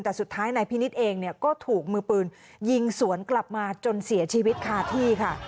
แต่สุดท้ายนายพินิษฐ์เองเนี่ยก็ถูกมือปืนยิงสวนกลับมาจนเสียชีวิตคาที่ค่ะ